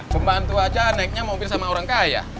pembantu aja naiknya mobil sama orang kaya